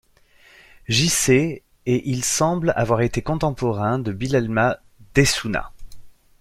J-C et il semble avoir été contemporain de Bilalama d'Ešnunna.